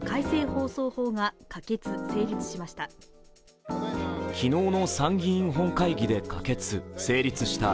放送法が可決・成立しました。